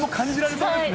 そうですね。